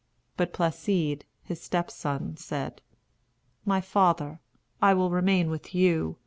But Placide, his step son, said: "My father, I will remain with you.